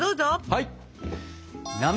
はい！